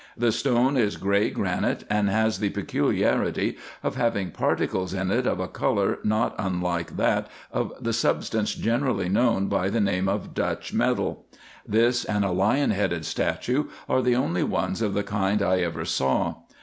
The stone is gray granite, and has the peculiarity of having particles in it of a colour not unlike that of the substance generally known by the name of Dutch metal. This and a lion headed statue are the only ones of the kind I ever saw.